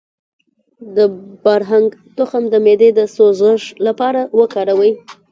د بارهنګ تخم د معدې د سوزش لپاره وکاروئ